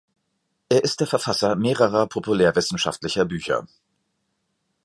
Er ist der Verfasser mehrerer populärwissenschaftlicher Bücher.